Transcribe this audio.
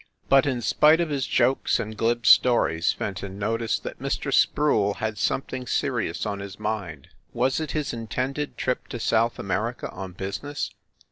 But, in spite of his jokes and glib stories, Fenton noticed that Mr. Sproule had something serious on his mind. Was it his intended trip to South America on business